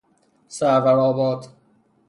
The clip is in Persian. سرور ﺁباد